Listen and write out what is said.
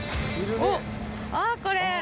おっあこれ。